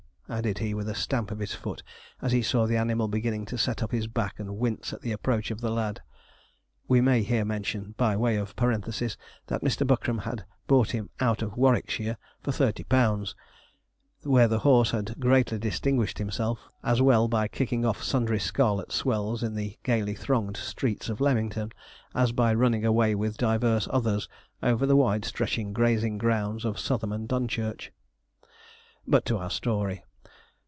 _' added he, with a stamp of his foot as he saw the animal beginning to set up his back and wince at the approach of the lad. (We may here mention by way of parenthesis, that Mr. Buckram had brought him out of Warwicksheer for thirty pounds, where the horse had greatly distinguished himself, as well by kicking off sundry scarlet swells in the gaily thronged streets of Leamington, as by running away with divers others over the wide stretching grazing grounds of Southam and Dunchurch.) But to our story.